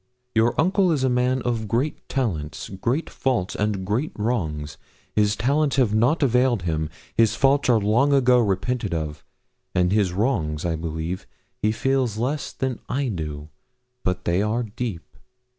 Your uncle is a man of great talents, great faults, and great wrongs. His talents have not availed him; his faults are long ago repented of; and his wrongs I believe he feels less than I do, but they are deep.